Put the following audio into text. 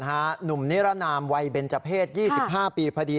หนุ่มนิรนามวัยเบนเจอร์เพศ๒๕ปีพอดี